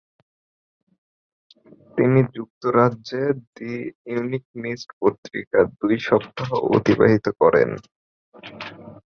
তিনি যুক্তরাজ্যের the Economist পত্রিকায় দুই সপ্তাহ অতিবাহিত করেন।